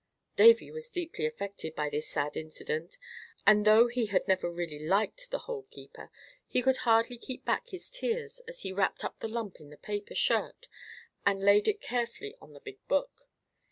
Davy was deeply affected by this sad incident, and, though he had never really liked the Hole keeper, he could hardly keep back his tears as he wrapped up the lump in the paper shirt and laid it carefully on the big book.